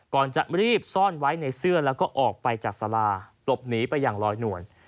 ก่อนจะรีบซ่อนไว้ในเสื้อแล้วก็ออกไปจากสาราหลบหนีไปอย่างลอยนวล